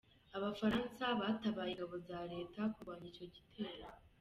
Abafaransa batabaye ingabo za Leta kurwanya icyo gitero.